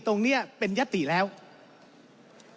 ท่านประธานก็เป็นสอสอมาหลายสมัย